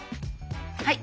はい。